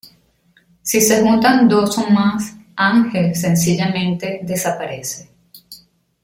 Si se juntan dos o más, Ángel, sencillamente, desaparece.